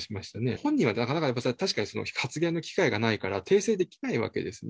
本人はなかなか、やっぱり確かに発言の機会がないから、訂正できないわけですね。